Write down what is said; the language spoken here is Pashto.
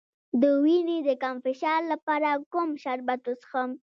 د وینې د کم فشار لپاره کوم شربت وڅښم؟